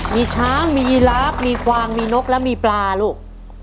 มีช้างมียีราฟมีกวางมีนกและมีปลาลูก